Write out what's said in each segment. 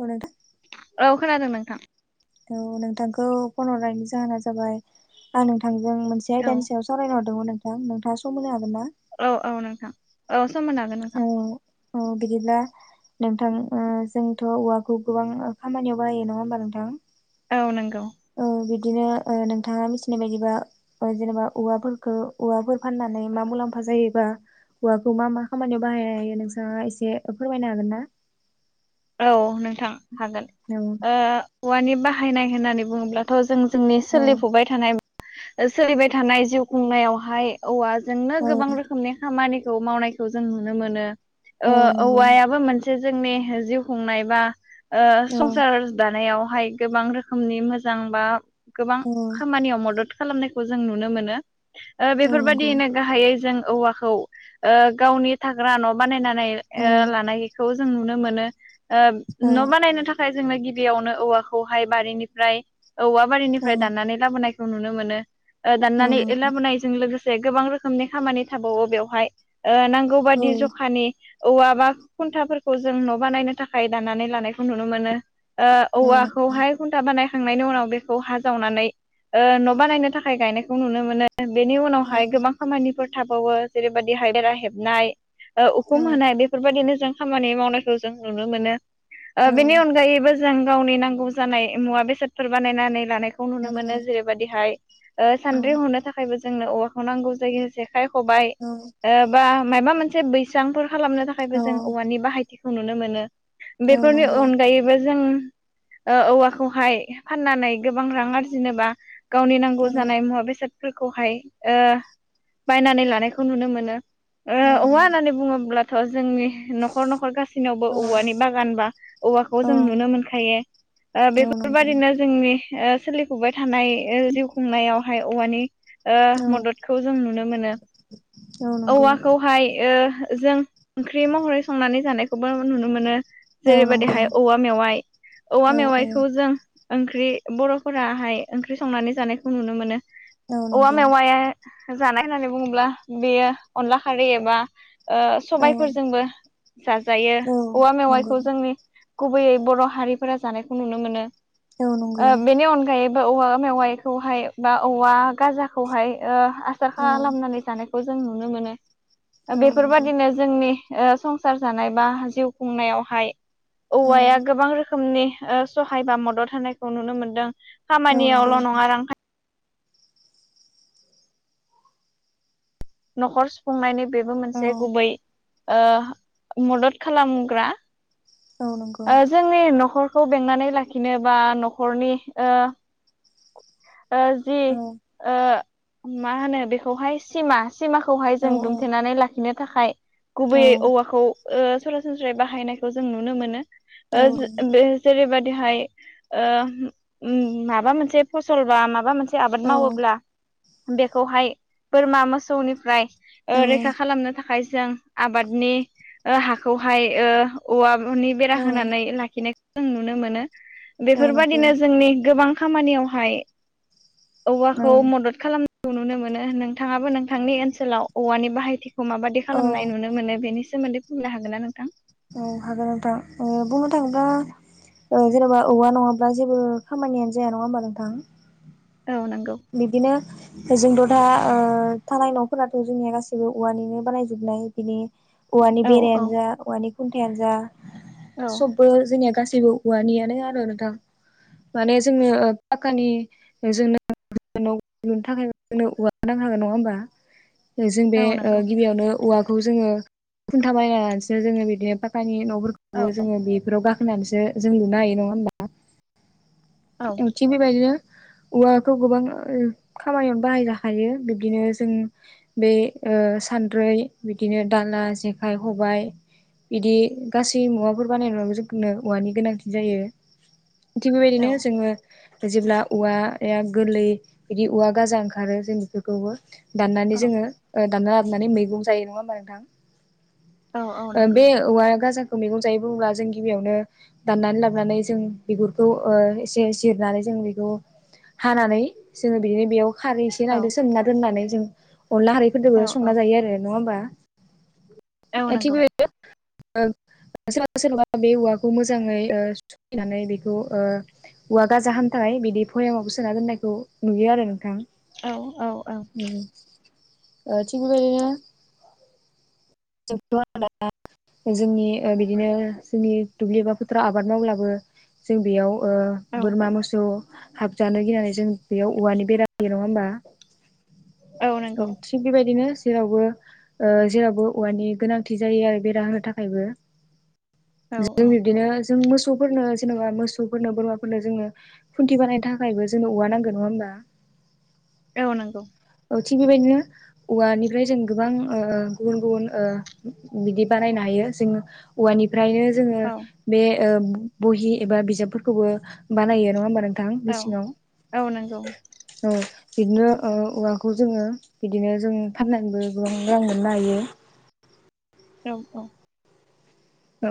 औ नोंथां औ खोनादों नोंथां। औ नोंथांखौ फन हरनायनि जाहोना जाबाय आं नोंथा थांजों मोनसे औ आयदानि सायाव सावरायनो हरदोंमोन नोंथां नोंथाङा सम होनो हागोन ना? औ औ नोंथां औ सम होनो हागोन नोंथां। औ औ बिदिब्ला नोंथां ओ जोंथ' औवाखौ गोबां खामानियाव बाहायो नङा होमबा नोंथां? औ नंगौ औ बिदिनो ओ नोंथाङा मिथिनाय बायदिबा ओ जेनेबा औवाफोरखो औवाफोर फाननानै मा मुलाम लाम्फा जायोबा हौवाखौ मा मा खामानियाव बाहायनो हायो नोंसाङा एसे फोरमायनो हागोन ना? औ नोंथां हागोन औ ओ औवानि बाहायनाय होननानै बुङोब्लाथ' जों जोंनि औ सोलिफुबाय थानाय सोलिबाय थानाय जिउ खुंनायावहाय औवा जोंनो औ गोबां रोखोमनि खामानिखौ मावनायखौ जों नुनो मोनो औ ओ नंगौ औवायाबो मोन से जोंनि जिउ खुंनाय बा ओ औ संसार दानायाव हाय गोबां रोखोमनि मोजां बा गोबां औ खामानियाव मदद खालामनायखौ जों नुनो मोनो ओ औ नंगौ बेफोरबायदियैनो गाहायै जों औवाखौ ओ गावनि थाग्रा न' बानायनानै औ ओ लानायखौ जों नुनो मोनो। ओ औ न' बानायनो था खाय जोंनो गिबियावनो औवाखौहाय बारिनिफ्राय औवा बारिनिफ्राय औ दाननानै लाबोनाय खौ नुनो मोनो। औ ओ ाननानै नंगौ लाबोनायजों लोगोसे से गोबां रोखोमनि खामानि थाबावो बेवहाय, ओ नांगौ बादि जखानि औवा बा खुन्थाफोरखौ जों न' बानायनो थाखाय दाननानै लानायखौ नुनो मोनो। ओ औ नंगौ औवाखौहाय खुन्था बानाय खांनायनि उनाव बेखौ हा जावनानै ओ न' बानायनो थाखाय गायनायखौ नुनो मोनो। बेनि औ उनावहाय गोबां खामानिफोर थाबावो जेरैबादिहाय देरा हेबनाय। उखुम होनाय बेफोरबायदिनो जों खामानि मावनायखौ जों नुनो मोनो। औ ओ बेनि अनगायैबो जों गावनि नांगौ जानाय मुवा बेसादफोर बानायनानै लानाय खौ नुनो मोनो। जेरैबायदिहाय ओ सानद्रि हनो थाखायबो जोंनो औवाखौ नांगौ जायो। जे खाय, खबाय औ बा माबा मोनसे बैसांफोर खालामनो थाखायबो जों औवानि बाहायथि खौ नुनो मोनो। औ बेफोरनि नंगौ अनगायैबो जों ओ औवाखौहाय फाननानै गोबां रां आरजिनो बा गावनि नांगौ औ नंगौ औ जानाय मुवा बेसादफोरखौहाय ओ बायनानै लानायखौ नुनो मोनो। ओ औ औवा होननानै बुङोब्लाथ' जोंनि न'खर न'खर गासिनावबो औवानि बागान बा औवाखौ जों नुनो मोनखायो। ओ औ नंगौ बेफोरबायदिनो जोंनि ओ सोलिफुबाय थानाय जिउ खुंनायावहाय औवानि ओ औ मददखौ जों नुनो मोनो। औ नंगौ औवाखौहाय ओ जों ओंख्रि महरै संनानै जानायखौबो नुनो मोनो। औ नंगौ औ जेरैबायदिहाय औवा मेवाइ, औवा औ मेवाइखौ जों ओंख्रि बर'फोराहाय ओंख्रि संनानै जानायखौ नुनो मोनो। औ औवा नंगौ मेवाया जानाय होननानै बुङोब्ला, बेयो अनला खारै एबा ओ औ औ सबायफोरजोंबो जाजायो। औवा नंगौ मेवाइखौ जोंनि गुबैयै बर' हारिफोरा जानायखौ नुनो मोनो। औ नंगौ ओ बेनि अनगायै‌ बो औवा मेवाइखौहाय बा औवा गाजाखौहाय ओ आसार औ खालामनानै जानायखौ जों नुनो मोनो। औ नंगौ औ नंगौ औ नंगौ औ बेफोरबायदिनो जोंनि ओ संसार जानाय बा जिउ खुंनायावहाय औ औवाया गोबां रो खोमनि ओ सहाय बा मदद होनायखौ नुनो मोनदों। औ खामानियावल' नङा रांखान न'खर सुफुंनायनि बेबो मोनसे गुबै ओ मदद खालामग्रा। ओ जोंनि न'खरखौ बेंनानै लाखिनो बा न'खरनि ओ ओ जि ओ मा होनो बेखौहाय सिमा सिमाखौहाय जों दुमथेनानै लाखिनो थाखाय गुबैयै औवाखौ ओ सरासनस्रायै बाहायनायखौ जों नुनो मोनो ओ बे जेरैबादि हाय‌ ओ उम माबा मोनसे फसल‌ बा माबा मोनसे आबाद मावोब्ला बेखौहाय बोरमा मोसौनिफ्राय ओ रैखा खालामनो थाखाय जों आबादनि ओ हाखौहाय ओ औवा नि बेरा होनानै लाखिनायखौ जों नुनो मोनो। नंगौ बेफोरबायदिनो जोंनि गोबां खामानियावहाय औवाखौ मदद खालाम खौ नुनो मोनो। नोंथाङाबो नोंथांनि ओनसोलाव औवानि बाहायथि खौ माबादि औ खालामनाय औ नुनो मोनो, बेनि सोमोन्दै बुंनो हागोन ना नोंथां? औ हागोन नोंथां। ओ बुंनो थाङोब्ला जेनेबा औवा नङाब्ला जेबो खामानियानो जाया नङा होमबा नोंथां? औ नंगौ बिदिनो जों द दा ओ थानाय न'फोराथ' जोंनिया गाैसैबो औवानिनो बानायजोबनाय। बिनि उवानि औ औ बेरायानो जा औवानि खुन्थायानो जा औ सबबो जोंनिया गासै बो उवानियनो नोंथां माने जोंनो पाक्कानि जोंनो [unintelligible] लुनो थाखाय औवाखौ नांखागोन नङा होमबा? जों बे औ ओ नंगौ गिबियावनो उवाखौ जोङो खुन्था बानायना लानोसो जोङो बिदिनो पाकानि न' फोरखौबो औ जोङो बेफोराव गाखोनानैसो जों लुनो हायो नङा होमबा औ थिक बेबायदिनो औवा त' गोबां ओ खामानियावनो बाहायनो हायो बिबदिनो जों बे सानद्रै न्द्रै बिदिनो दाला जेखाइ हबाय बिदि गासै मुवाफोर बानायनायावबो जोंफोरनो औवानि गोनांथि जायो थिग औ बेबायदिनो जोङो जेब्ला औवा यागोरलै बिदि औवा गाजा ओंखारो जों बेफोरखौबो दाननानै औ जोङो ओ दानना लाबनानै मैगं जायो नङा होमबा नोंथां औ औ ओ नंगौ बे औवा गाजाखौ मैगं जायो बुङोब्ला जों गिबियावनो दाननानै लाबोनानै जों बिगुरखौ ओ एसे एसे जिरनानै जों जों बेखौ हानानै जोङो बेनो बेयाव खारै एसे औ होनायदो सोमना दोननानै जों अनला औ हारैफोरजोंबो औ संना जायो आरो नङा होमबा औ थिक नंगौ बेबादिनो ओ सोरबा सोरनबा बे औवाखौ मोजाङै ओ सुरकिनानै बेखौ ओ औवा गाजा हाम थानाय बिदि भयामावबो सोना दोननायखौ नुयो आरो नोंथां औ औ औ ओ थिक बेबायदिनो [unintelligible] जोंनि ओ बिदिनो जोंनि दुब्लि एबा फोथाराव आबाद मावब्लाबो जों बेयाव ओ औ बोरमा मोसौ हाब जानो गिनानै जों बेयाव औवानि बेराबो होयो नङा होमबा औ थिग बेबायदिनो जेरावबो ओ जेरावबो औवानि गोनांथि जायो आरो बेरा होनो थाखायबो औ औ जों बिब्दिनो जों मोसौफोरनो जेन'बा मोसौफोरनो बोरमाफोरनो जोङो खुन्थि बानायनो थाखा यबो जोंनो औवा नांगो नङा होमबा औ नंगौ थिग बेबायदिनो औवानिफ्राय जों गोबां ओ गुबुन गुबुन ओ बिदि बानायनो हायो जों औवानि फ्रायनो जोङो औ बे बहि एबा बिजाबफोरखौबो बानायो नङा होमबा नों थां औ मिसिनाव औ नंगौ औ बिदिनो ओ औवाखौ जोङो बिदिनो जों फाननानैबो गोबां रां मोननो हायो औ औ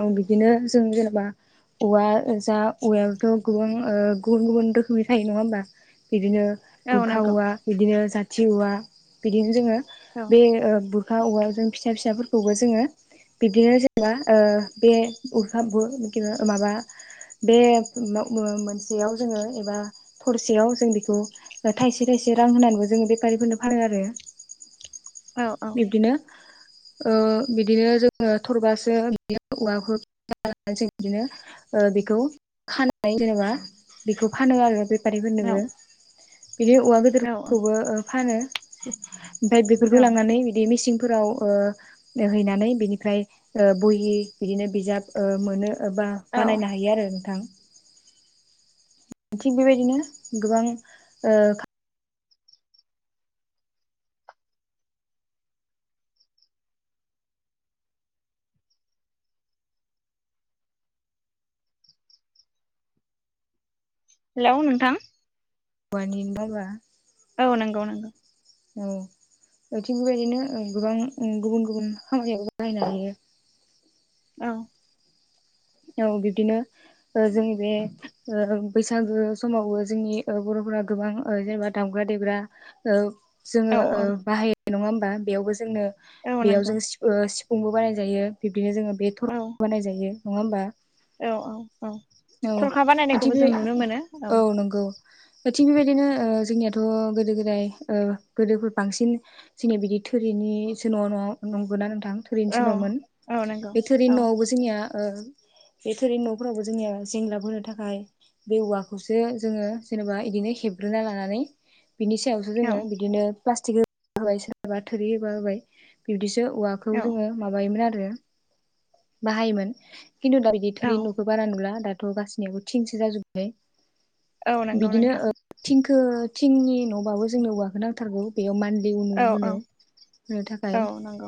औ बिदिनो जों जेन'बा औवा जा औवायावथ' गोबां ओ गुबुन गुबुन रोखोमनि थायो नङा होमबा बिदिनो औ बुरखा नंगौ औवा बिदिनो जाथि औवा बिदिनो जोङो औ औ बे ओ बु रखा औवाजों फिसा फिसाफोरखौबो जोङो बिब्दिनो जेनेबा ओ बे [unintelligible] माबा बे मो-मोनसेयाव जोङो एबा थरसेयाव जों बेखौ थाइसे थाइसे एसे रां होनानैबो जोङो बेफारिफोरनो फानो आरो‌ [inaudible] बिब्दिनो ओ बिदिनो जोङो थरबासो औवाखौ [unintelligible] जों बिदिनो ओ बेखौ खानानै जेनेबा बेखौ फानो आरो बेफारिफोरनोबो बिदिनो औवा औ गोदोरफोरखौबो फानो ओमफ्राय बेफोरखौ लांनानै बिदि मिसिंफोराव ओ हैनानै बिनिफ्राय ओ बहि बिदिनो बिजाब ओ मोनो बा औ बानायनो हायो आरो नोंथां थिग बेबायदिनो गोबां ओ हेलौ नोंथां [unintelligible] औ नंगौ नंगौ औ थिग बेबायदिनो गोबां गुबुन गुबुन खामानियाव बाहनायनो हायो। औ। औ बिब्दिनो ओ जों बे बैसागो समावबो जोंनि ओ बर' ग गोबां जेनेबा दामग्रा देग्रा जोङो औ ओ औ बाहायनायो नङा होमबा बेयावबो जोंनो औ बेयाव नंगौ जों अमबो बानाय जायो बिब्दिनो जोङो बे थर औ बानायजायो नङा होमबा। औ औ औ औ थरखा मथि बानायनायखौबो बे जों नुनो मोनो औ नंगौ। द थिग बेबायदिनो ओ जोंनियाथ' गोदो गोदाय ओ गोदोफोर बांसिन जोंनिया बिदि थोरिनिसो न' नंगौ ना नोंथां। थोरिनिसो औ न'मोन औ नंगौ बे थोरिनि औ न'आवबो जोंनिया ओ बेथोरै न'फोरावबो जोंनिया जेंलाब होनो थाखाय बे औवाखौसो जोङो जेनेबा इदिनो हेबग्रोना लानानै बिनि सायावसो औ जोङो बिदिनो प्लास्टिक होबा होबाय सोराबा थोरि होबा होबाय बिबदि औवाखौ औ जोङो माबायोमोन आरो बाहायोमोन खिन्थु दा बिदि औ थोरि न'खौ बारा नुला दाथ' गाससिनिबो थिंसो जाजोबबाय औ नंगौ नोंथां थिंनि न'बाबो जोंनि औवाखौ नांथारगौ बेयाव मान दै नु औ औ होनो होनो थाखाय औ नंगौ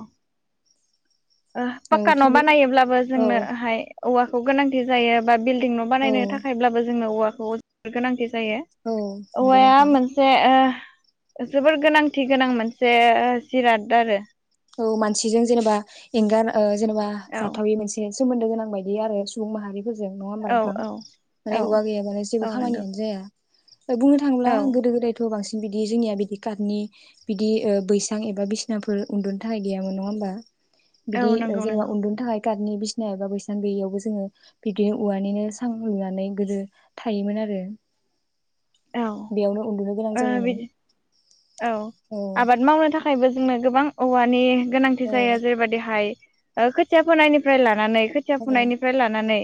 औ पाक्का न' थिं बे बानायोब्लाबो औ जोंनोहाय औवाखौ गोनांथि जायो बा बिल् बिलदिंं न' औ बानायनो थाखायब्लाबो जोंनो औवाखौ गोनांथि। जायो औ नंगौ औवाया नोंथां मोनसे ओ जोबोर गोनांथि गोनां मोनसे ओ जिराद आरो औ मानसिजों जेनेबा एंगार ओ जेनेबा औ जाथावयि मोनसे सोमोन्दो गोनां बायदि आरो सुबुं माहारि जों नङा होमबा औ नोंथां औ औ माने अवा गैयाबालाय जेबो औ नंगौ खामानियानो जाया। बुंनो थांङोब्ला औ गोदो गोदायथ' बांसिन बिदि जोंनिया बिदि काटनि बिदि ओ बैसां एबा बिसिनाफोर उन्दुनो थाखाय गैयामोन नङा होमबा औ बिदि ओ नंगौ जेनेबा नंगौ उन्दुनोनि थाखाय खादनि बिसिना एबा बैसना गैयियावबो जोङो बिबदिनो औवानिनो सां लुनानै गोदो थायोमोन आरो आरो। औ ओ जायोमोन बिदि औ आबाद मावनो थाखाय थाखायबो जोंनो गोबां औवानि गोनांथि औ जायो जेरैबायदिहाय ओ खोथिया फोनायनिफ्राय लानानै खोथिया औ फुनायनिफ्राय लानानै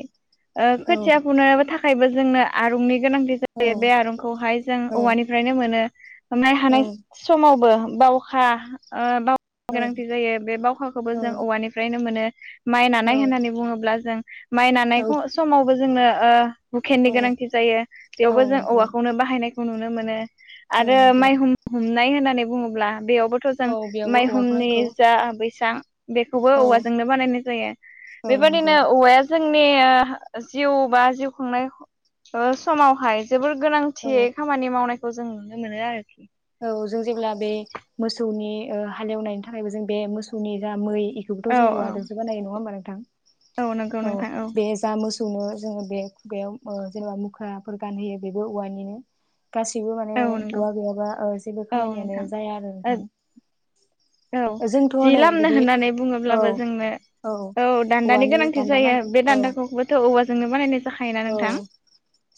ओ औ खोथिया फुनो थाखायबो जोंनो आरुंनि गोनांथि औ जायो बे आरुं खौहाय जों औ औवानिफ्रायनो मोनो हनाय हानाय समावबो बावखा ओ बावखा औ गोनांथि जायो बे बावखाखौबो जों औ औवानिफ्रायनो मोनो माइ नानाय औ होननानै बुङोब्ला जों माइ औ नानायखौ समावबो जोंनो ओ हुखेननि औ गोनांथि जायो औ बेयावबो जों नंगौ औवाखौ खौनो बाहायनायखौ नुनो मोनो औ आरो नंगौ माइ ह हमनाय होननानै बुङोब्ला बेयावबोथ' जों औ बेयावबो औवाखौ माइहुमनि नांगौ जा बैसां बेखौबो औ औवाजोंनो बानायनाय जायो औ बेबायदिनो नंगौ औवाया जोंनि ओ जिउ बा जिउ खुंनाय समावहाय जोबोर गोनां। खाथियै औ खामानि मावनायखौ जों नुनो मोनो आरोखि औ जों जेब्ला बे मोसौनि ओ हालेवनायनि थाखायबो जों बे मोसौनि जा मै। औ बेखौबोथ' जों औवा दोंसो बानायो नङा होमबा नोंथां औ बे जा मोसौ सौनो जोङो बे खुगायाव जेनेबा मुख्राफोर गानहोयो बेबो औवानिनो गासैबो माने औ नंगौ औवा गैयाबा जेबो औ खामानियानो नोंथां जाया आरो नोंथां। औ जोंथ' जि नै लामनो बिदि होननानै औ बुङोब्लाबो जोंनो औ दान्दानि औवानि गोनांथि दान्दा जायो नांगोन बे औ दान्दाखौबोथ' औवाजोंनो बानायनायसै। औ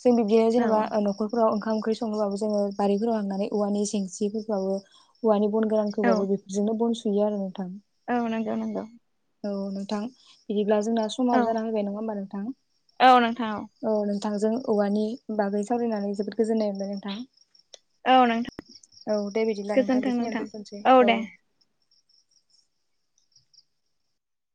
जों बिब्दि औ जेनेबा न'खरफोराव ओंखाम ओंख्रि सङोबाबो जोङो बारिफोराव हांनानै औवानि जेंस्रिफोरबाबो औवानि बन गोरानखौबाबो बेफोरजोंनो बन सुयो आरो नोंथां। औ नांगौ नगौ। औ नोंथां बिदिब्ला जोंना औ समाबो जाना फैबाय नङा होमबा नोंथां औ औ नोंथां औ नों नोंथांजों औवानि बागै सावरायनानै जोबोद गोजोन्नाय मोनबाय नोंथां। औ नोंथां औ दे बिदिब्ला नोंथां बेखिनिययावनो दोनथ'सै औ।